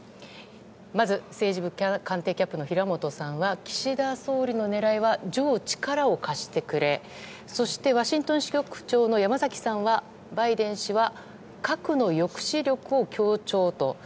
政治部官邸キャップの平本さんは岸田総理の狙いはジョー、力を貸してくれそしてワシントン支局長の山崎さんはバイデン氏は核の抑止力を強調と。